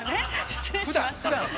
失礼しました。